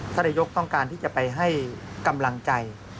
นายกต้องการที่จะไปให้กำลังใจ